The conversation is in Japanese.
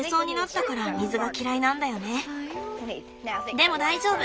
でも大丈夫。